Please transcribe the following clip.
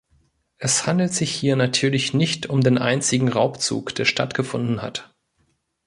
Es handelt sich hier natürlich nicht um den einzigen Raubzug, der stattgefunden hat.